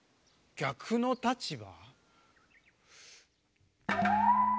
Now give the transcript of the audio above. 逆の立場？